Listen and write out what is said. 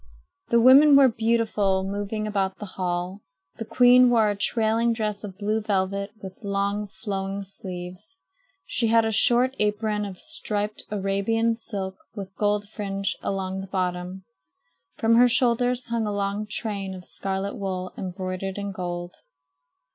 The women were beautiful, moving about the hall. The queen wore a trailing dress of blue velvet with long flowing sleeves. She had a short apron of striped Arabian silk with gold fringe along the bottom. From her shoulders hung a long train of scarlet wool embroidered in gold.